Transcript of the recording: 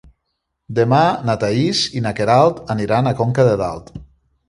Demà na Thaís i na Queralt aniran a Conca de Dalt.